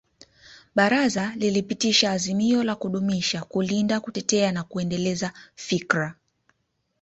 Baraza lilipitisha azimio la kudumisha kulinda kutetea na kuendeleza fikra